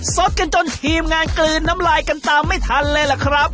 สดกันจนทีมงานกลืนน้ำลายกันตามไม่ทันเลยล่ะครับ